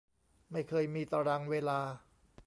ไม่เคยมีตารางเวลา